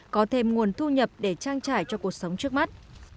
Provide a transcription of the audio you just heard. có thêm nguồn thu nhập để trang trải cho cuộc sống trước mắt